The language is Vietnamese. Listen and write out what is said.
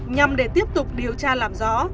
nhằm để tiếp tục điều tra làm rõ